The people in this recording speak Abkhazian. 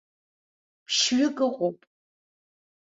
Ԥшьҩык ыҟоуп.